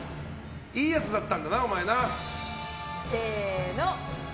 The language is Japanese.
いいやつだったんだな、お前な。